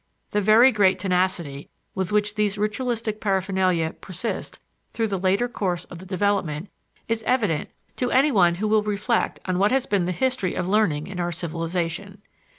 The very great tenacity with which these ritualistic paraphernalia persist through the later course of the development is evident to any one who will reflect on what has been the history of learning in our civilization.